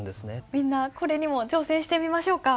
みんなこれにも挑戦してみましょうか。